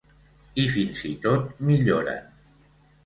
I fins i tot milloren.